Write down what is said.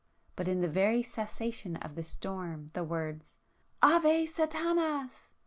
But in the very cessation of the storm the words "Ave Sathanas!"